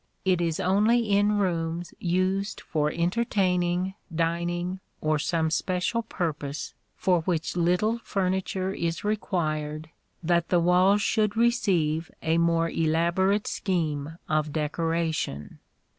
It is only in rooms used for entertaining, dining, or some special purpose for which little furniture is required, that the walls should receive a more elaborate scheme of decoration.